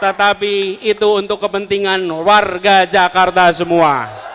tetapi itu untuk kepentingan warga jakarta semua